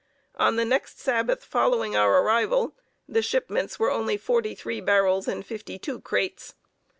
On the next Sabbath following our arrival the shipments were only forty three barrels and fifty two crates.